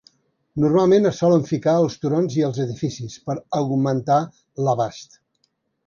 Normalment es solen ficar als turons i els edificis per augmentar l"abast.